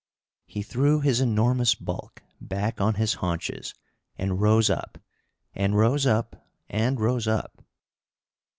He threw his enormous bulk back on his haunches and rose up, and rose up, and rose up!